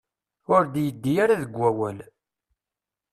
Ur d-yeddi ara deg wawal.